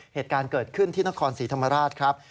เหตุการณ์เกิดขึ้นที่นครศรีธรรมราชครับ